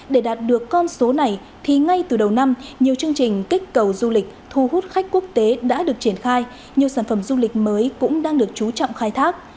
để đạt được con số này thì ngay từ đầu năm nhiều chương trình kích cầu du lịch thu hút khách quốc tế đã được triển khai nhiều sản phẩm du lịch mới cũng đang được chú trọng khai thác